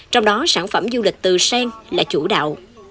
trong đó sản phẩm du lịch từ sen là chủ đạo